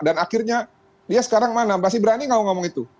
dan akhirnya dia sekarang mana masih berani ngomong ngomong itu